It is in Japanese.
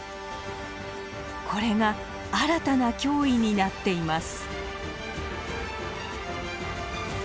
これが新たな脅威になっています。